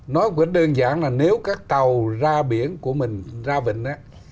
nói cũng đơn giản là nếu các tàu ra biển của mình ra bình á